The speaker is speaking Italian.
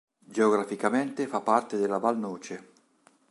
Geograficamente fa parte della Val Noce.